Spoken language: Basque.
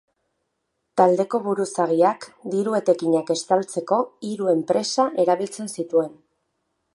Taldeko buruzagiak diru etekinak estaltzeko hiru enpresa erabiltzen zituen.